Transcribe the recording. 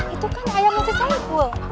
itu kan ayam nasi saipu